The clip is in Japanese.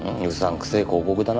くせえ広告だな。